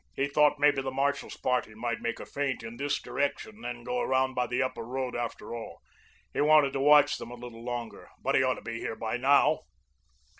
He thought maybe the marshal's party might make a feint in this direction, then go around by the Upper Road, after all. He wanted to watch them a little longer. But he ought to be here now."